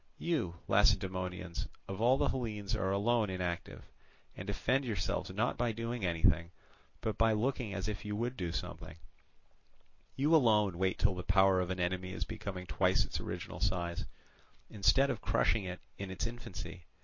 You, Lacedaemonians, of all the Hellenes are alone inactive, and defend yourselves not by doing anything but by looking as if you would do something; you alone wait till the power of an enemy is becoming twice its original size, instead of crushing it in its infancy.